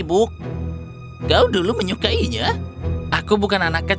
sebaliknya jika sedirinya dari badan onze saya percaya akan pecah kerja ke depan